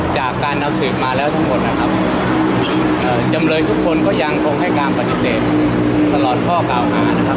จากการเอาสืบมาแล้วทั้งหมดนะครับจำเลยทุกคนก็ยังคงให้การปฏิเสธตลอดข้อกล่าวหานะครับ